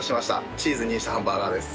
チーズにｉｎしたハンバーガーです。